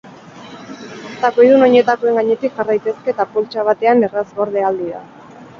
Takoidun oinetakoen gainetik jar daitezke eta poltsa batean erraz gorde ahal dira.